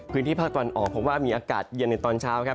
พื้นที่ภาคตอนออกพบว่ามีอากาศเย็นในตอนเช้า